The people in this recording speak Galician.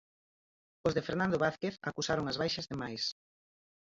Os de Fernando Vázquez acusaron as baixas de máis.